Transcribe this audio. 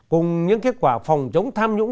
cùng những kết quả phòng chống tham nhũng